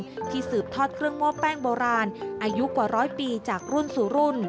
มริขาเครื่องม่วงแป้งโบราณอายุกว่าร้อยปีจากรุ่นสู่รุ่น